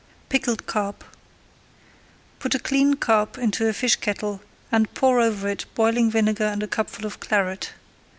PICKLED CARP Put a cleaned carp into a fish kettle and pour over it boiling vinegar and a cupful of Claret.